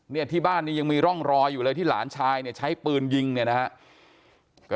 เนี่ยที่บ้านนี้ยังมีร่องรอยอยู่เลยที่หลานชายเนี่ยใช้ปืนยิงเนี่ยนะฮะ